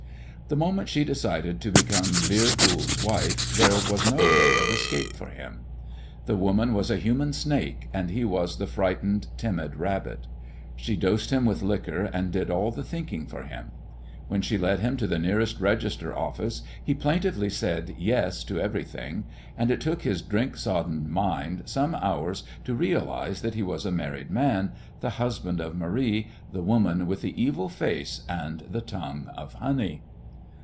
The moment she decided to become Vere Goold's wife there was no way of escape for him. The woman was a human snake, and he was the frightened, timid rabbit. She dosed him with liquor and did all the thinking for him. When she led him to the nearest register office he plaintively said "Yes" to everything, and it took his drink soddened mind some hours to realize that he was a married man, the husband of Marie, the woman with the evil face and the tongue of honey.